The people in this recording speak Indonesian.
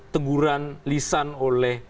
teguran lisan oleh